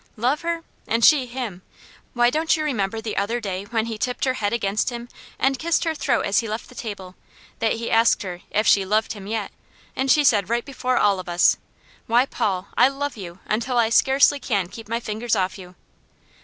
Love her? And she him? Why, don't you remember the other day when he tipped her head against him and kissed her throat as he left the table; that he asked her if she 'loved him yet,' and she said right before all of us, 'Why Paul, I love you, until I scarcely can keep my fingers off you!'